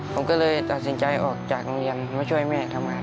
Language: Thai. ผมก็เลยตัดสินใจออกจากโรงเรียนมาช่วยแม่ทำงาน